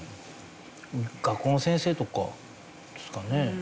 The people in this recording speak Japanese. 学校の先生とかですかね？